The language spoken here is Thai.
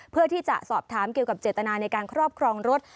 เพื่อที่จะสอบถามเกี่ยวกับเจตนาในการครอบครองรถ